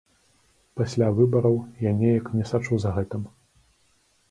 Пасля выбараў я неяк не сачу за гэтым.